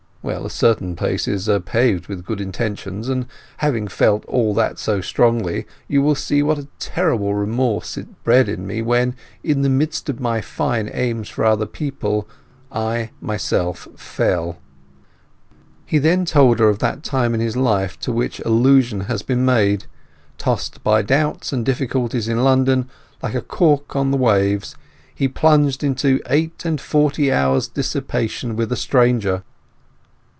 "Well, a certain place is paved with good intentions, and having felt all that so strongly, you will see what a terrible remorse it bred in me when, in the midst of my fine aims for other people, I myself fell." He then told her of that time of his life to which allusion has been made when, tossed about by doubts and difficulties in London, like a cork on the waves, he plunged into eight and forty hours' dissipation with a stranger.